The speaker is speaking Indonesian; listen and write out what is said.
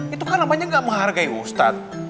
itu kan namanya gak menghargai ustadz